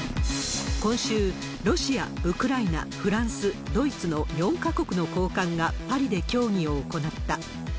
今週、ロシア、ウクライナ、フランス、ドイツの４か国の高官がパリで協議を行った。